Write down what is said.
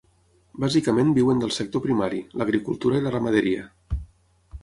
Bàsicament viuen del sector primari: l'agricultura i la ramaderia.